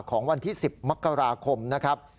ของวันที่๑๐มกราคมนะครับ